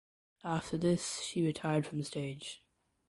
After this she retired from the stage.